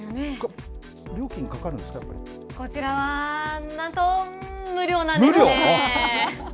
料金かかるんですか、こちらはなんと、無料なんで無料？